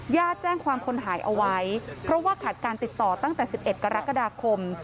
แจ้งความคนหายเอาไว้เพราะว่าขาดการติดต่อตั้งแต่๑๑กรกฎาคม